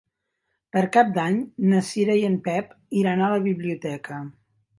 Per Cap d'Any na Cira i en Pep iran a la biblioteca.